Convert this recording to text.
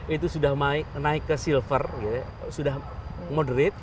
itu sudah naik ke silver sudah moderate